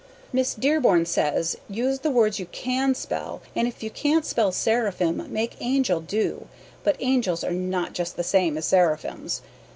Miss Dearborn says use the words you CAN spell and if you cant spell seraphim make angel do but angels are not just the same as seraphims.